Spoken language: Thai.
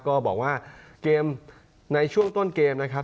ก็บอกว่าเกมในช่วงต้นเกมนะครับ